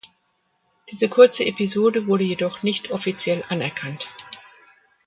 Diese kurze Episode wurde jedoch nicht „offiziell“ anerkannt.